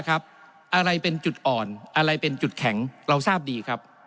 อะไรเป็นจุดอ่อนอะไรเป็นจุดแข็งเราทราบดีครับ